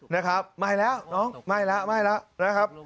นะครับไม่แล้วน้องไม่แล้วไม่แล้วนะครับ